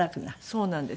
そうなんです。